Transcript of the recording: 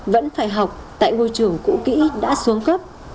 vẫn phải học tại ngôi trường cũ kỹ đã xuống cấp